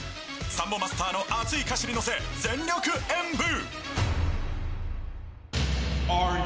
サンボマスターの熱い歌詞に乗せ、全力演舞。